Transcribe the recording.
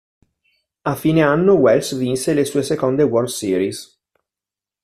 A fine anno Wells vinse le sue seconde World Series.